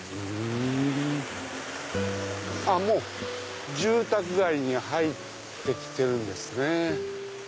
もう住宅街に入って来てるんですね。